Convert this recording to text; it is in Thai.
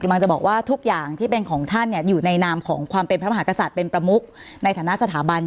กำลังจะบอกว่าทุกอย่างที่เป็นของท่านอยู่ในนามของความเป็นพระมหากษัตริย์เป็นประมุกในฐานะสถาบัน